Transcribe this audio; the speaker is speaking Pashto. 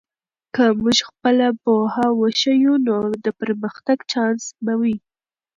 که موږ خپله پوهه وښیو، نو د پرمختګ چانس به وي.